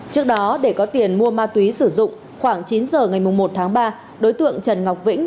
trước đó để có tiền mua ma túy sử dụng khoảng chín giờ ngày một tháng ba đối tượng trần ngọc vĩnh